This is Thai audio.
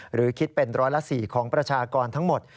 หรือคิดเป็นร้อยละ๔ของประชากรทั้งหมด